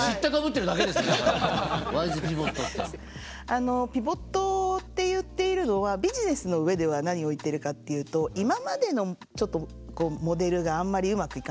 あのピボットって言っているのはビジネスの上では何を言っているかっていうと今までのモデルがあんまりうまくいかなくなっちゃう。